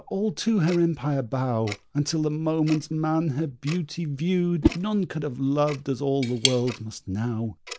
all to her empire bow! And till the moment man her beauty viewed None could have loved as all the world must now!